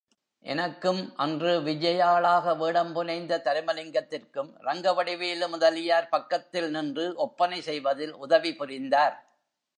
எனக்கும், அன்று விஜயாளாக வேடம் புனைந்த தருமலிங்கத்திற்கும் ரங்கவடிவேலு முதலியார் பக்கத்தில் நின்று ஒப்பனை செய்வதில் உதவி புரிந்தார்.